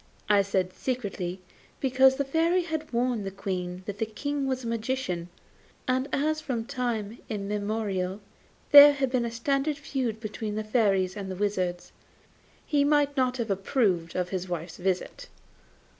I said secretly, because the Fairy had warned the Queen that the King was a magician; and as from time immemorial there had been a standing feud between the Fairies and the Wizards, he might not have approved of his wife's visit.